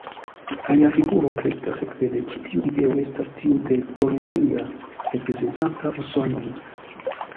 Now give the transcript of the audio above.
Alia figuro kreita sekve de ĉi tiu ideo estas tiu de Kolumbia reprezentanta Usonon.